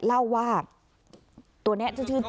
เล่าว่าตัวนี้